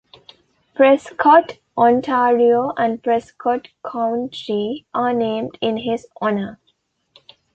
Prescott, Ontario and Prescott County are named in his honour.